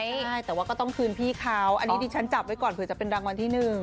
ใช่แต่ว่าก็ต้องคืนพี่เขาอันนี้ดิฉันจับไว้ก่อนเผื่อจะเป็นรางวัลที่หนึ่ง